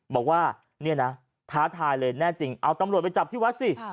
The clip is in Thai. บอกว่าเนี่ยนะท้าทายเลยแน่จริงเอาตำรวจไปจับที่วัดสิ